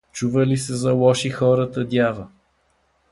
— Чува ли се за лоши хора тъдява?